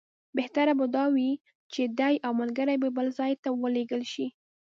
بهتره به دا وي چې دی او ملګري یې بل ځای ته ولېږل شي.